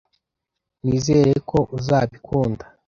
Nizere ko uzabikunda.